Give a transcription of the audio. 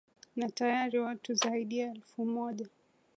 na tayari watu zaidi ya elfu moja